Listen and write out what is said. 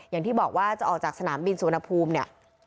อย่างที่บอกว่าจะออกจากสนามบินสุวรรณภูมิเนี่ย